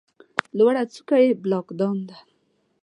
لوړه څوکه یې بلک دام ده.